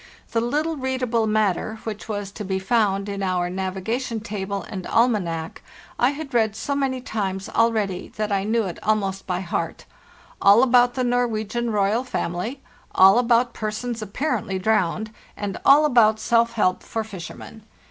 The little readable matter which was to be found in our nav igation table and almanac I had read so many times already that I knew it almost by heart —all about the Norwegian royal family, all about persons apparently drowned, and all about self help for fishermen.